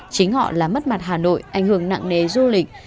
chính họ là mất mặt hà nội ảnh hưởng nặng nề du lịch